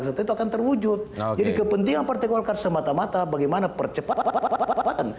serta itu akan terwujud jadi kepentingan partai golkar semata mata bagaimana percepatan